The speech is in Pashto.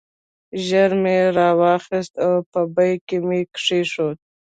ژر مې راواخیست او په بیک کې مې کېښود.